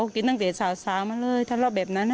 กินตั้งแต่สาวมาเลยทะเลาะแบบนั้น